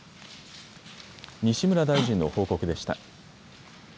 西村大臣の報告でした。